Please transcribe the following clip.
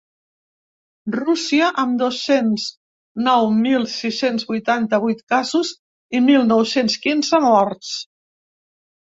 Rússia, amb dos-cents nou mil sis-cents vuitanta-vuit casos i mil nou-cents quinze morts.